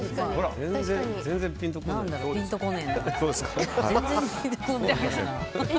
全然ピンと来ない。